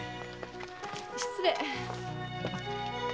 失礼。